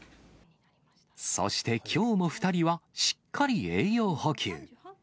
そしてきょうも２人は、しっかり栄養補給。